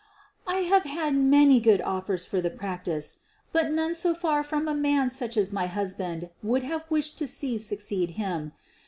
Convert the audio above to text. "I have had many good offers for the practice, but none so far from a man such as my husband would have wished to see succeed him.